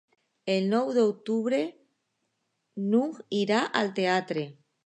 El nou d'octubre n'Hug irà al teatre.